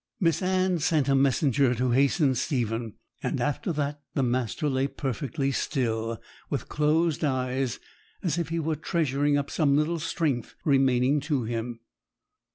Miss Anne sent a messenger to hasten Stephen; and after that the master lay perfectly still, with closed eyes, as if he were treasuring up the little strength remaining to him.